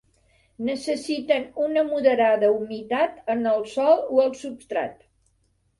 Necessiten una moderada humitat en el sòl o el substrat.